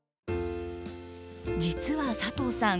実は佐藤さん